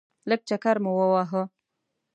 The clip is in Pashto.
لږ چکر مو وواهه.